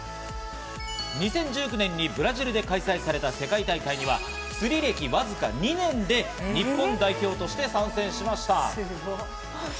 ２０１９年にブラジルで開催された世界大会には、釣り歴わずか２年で日本代表として参戦しました。